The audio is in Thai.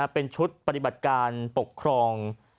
เป็นชุดปฏิบัติการปกครอง